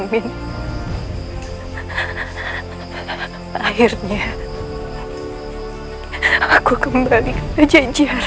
biar saya jatuh hanya sebab es bukit